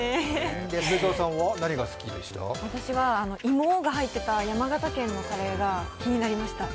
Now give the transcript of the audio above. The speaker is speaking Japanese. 私は芋が入ってた山形県のカレーが気になりました。